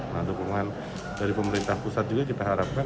nah dukungan dari pemerintah pusat juga kita harapkan